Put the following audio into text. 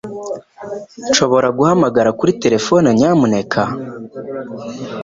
Nshobora guhamagara kuri terefone, nyamuneka?